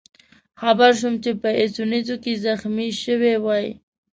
خبر شوم چې په ایسونزو کې زخمي شوی وئ.